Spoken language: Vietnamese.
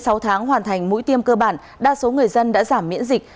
sau sáu tháng hoàn thành mũi tiêm cơ bản đa số người dân đã giảm miễn dịch